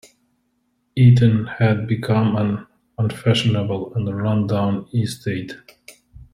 Eaton had become "an unfashionable and run-down estate".